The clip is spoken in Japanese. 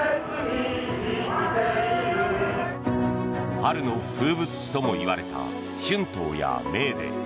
春の風物詩ともいわれた春闘やメーデー。